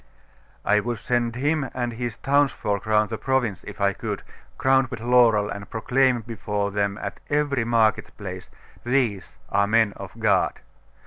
'I would send him and his townsfolk round the province, if I could, crowned with laurel, and proclaim before them at every market place, "These are men of God."